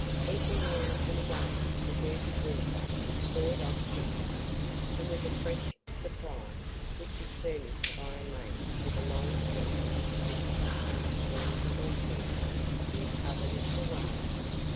Every now and again the dirtied water is poured off gently, and with a fresh supply, which is furnished by a mate with a long handled dipper from the stream or pool, you puddle away.